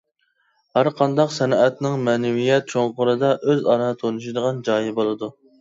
ھەرقانداق سەنئەتنىڭ مەنىۋىيەت چوڭقۇرىدا ئۆزئارا تۇتۇشىدىغان جايى بولىدۇ.